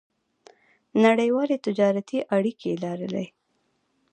نړیوالې تجارتي اړیکې لرلې.